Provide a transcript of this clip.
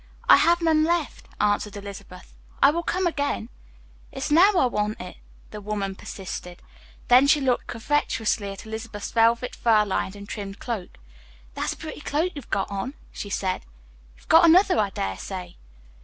"I have none left," answered Elizabeth. "I will come again." "It's now I want it," the woman persisted. Then she looked covetously at Elizabeth's velvet fur lined and trimmed cloak. "That's a pretty cloak you've on," she said. "You've got another, I daresay."